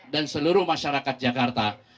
dan seluruh masyarakat jakarta